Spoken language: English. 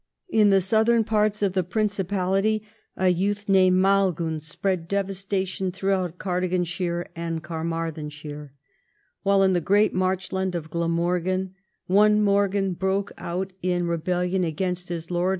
In the southern parts of the Principality, a youth named Maelgwn spread devastation throughout Cardiganshire and Carmarthenshire ; while in the great marchland of Glamorgan one Morgan broke out in rebellion against his lord.